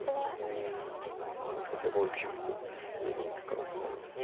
うんもしかしたら５六玉と上に行く可能性もあります。